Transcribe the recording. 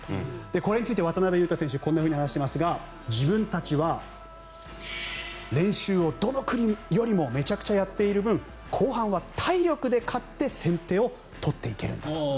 これについて渡邊雄太選手はこんなふうに話していますが自分たちは練習をどの国よりもめちゃくちゃやっている分後半は体力で勝って先手を取っていけるんだと。